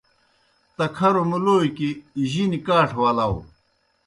تکھروْ مُلوکیْ جِنیْ کاٹھہ ولاؤ۔